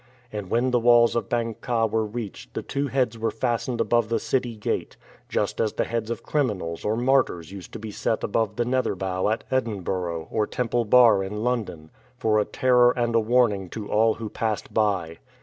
And when the walls of Bang kah were reached the two heads were fastened above the city gate, just as the heads of criminals or martyrs used to be set above the Netherbow at Edinburgh or Temple Bar in London, for a terror and a warning to all who passed by.